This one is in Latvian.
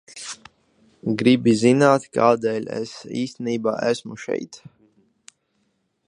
Gribi zināt, kādēļ es īstenībā esmu šeit?